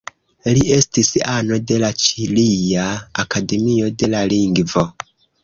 Li estis ano de la Ĉilia Akademio de la Lingvo.